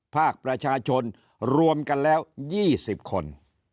ภาคประชาชนรวมกันแล้ว๒๐คน